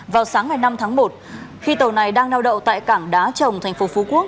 vào sáng ngày năm tháng một khi tàu này đang neo đậu tại cảng đá trồng thành phố phú quốc